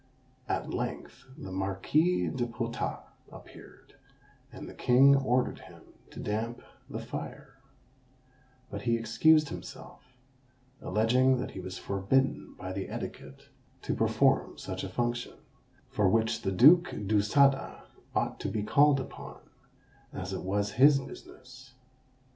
At length the Marquis de Potat appeared, and the king ordered him to damp the fire; but he excused himself; alleging that he was forbidden by the etiquette to perform such a function, for which the Duke d'Ussada ought to be called upon, as it was his business.